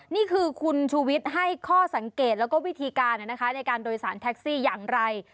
นี่คือคุณชูวิทย์ให้ข้อสังเกตแล้วก็วิธีการในการโดยสารแท็กซี่อย่างไร